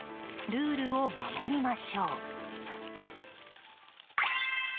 ルールを守りましょう。